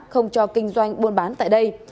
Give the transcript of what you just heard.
không cho kinh doanh buôn bán tại đây